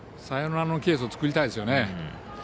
サヨナラのケースを作りたいですよね。